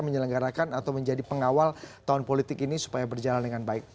menyelenggarakan atau menjadi pengawal tahun politik ini supaya berjalan dengan baik